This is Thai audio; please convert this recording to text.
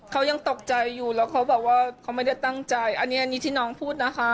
เขายังตกใจอยู่แล้วเขาบอกว่าเขาไม่ได้ตั้งใจอันนี้อันนี้ที่น้องพูดนะคะ